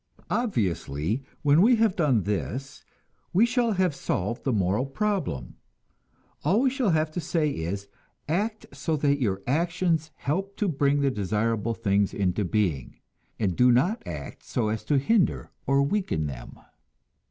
Obviously, when we have done this, we shall have solved the moral problem; all we shall have to say is, act so that your actions help to bring the desirable things into being, and do not act so as to hinder or weaken them.